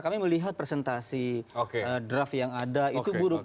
kami melihat presentasi draft yang ada itu buruk